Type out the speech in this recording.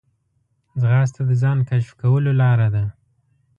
ځغاسته د ځان کشف کولو لاره ده